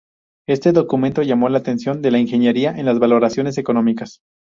Este documento llamó la atención de la ingeniería en las valoraciones económicas.